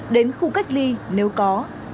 đến khu cách ly nếu có